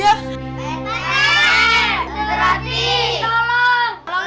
pak rt berarti tolong